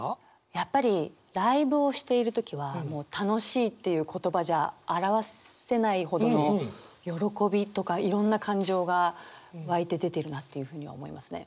やっぱりライブをしている時はもう「楽しい」っていう言葉じゃ表せないほどの喜びとかいろんな感情が湧いて出てるなっていうふうには思いますね。